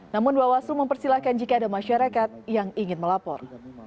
namun bawaslu mempersilahkan jika ada masyarakat yang ingin melapor